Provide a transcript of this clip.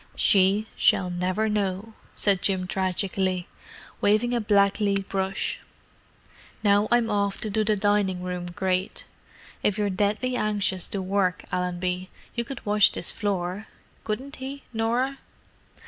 "She shall never know," said Jim tragically, waving a blacklead brush. "Now I'm off to do the dining room grate. If you're deadly anxious to work, Allenby, you could wash this floor—couldn't he, Norah?"